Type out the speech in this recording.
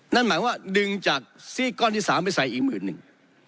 นั่นหมายว่าดึงจากซีกก้อนที่๓ไปใส่อีกหมื่นหนึ่ง